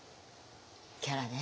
キャラね。